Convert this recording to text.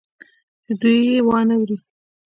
چې دوى يې وانه وري.